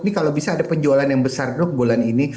ini kalau bisa ada penjualan yang besar dok bulan ini